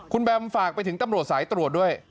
คุณแบมฝากไปถึงตำรวจสายตรวจด้วย